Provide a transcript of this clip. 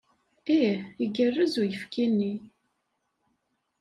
Ih, igerrez uyefki-nni.